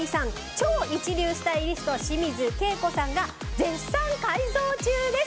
超一流スタイリスト清水恵子さんが絶賛改造中です。